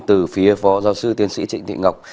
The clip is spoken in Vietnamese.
từ phía phó giáo sư tiến sĩ trịnh thị ngọc